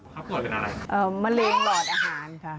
จ้ะค่ะเขาปวดเป็นอะไรค่ะมะเร็งหลอดอาหารค่ะ